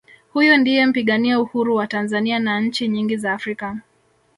huyu ndiye mpigania Uhuru wa tanzania na nchi nyingi za africa